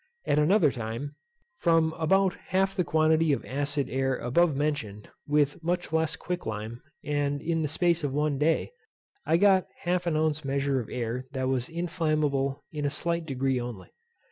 At another time, from about half the quantity of acid air above mentioned, with much less quick lime, and in the space of one day, I got half an ounce measure of air that was inflammable in a slight degree only.